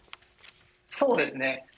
そうですね。